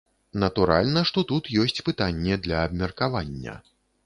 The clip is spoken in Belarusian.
Натуральна, што тут ёсць пытанне для абмеркавання.